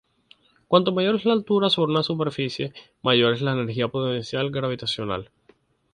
Cuanto mayor es la altura sobre una superficie, mayor es la energía potencial gravitacional.